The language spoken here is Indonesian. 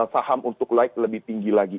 saham untuk like lebih tinggi lagi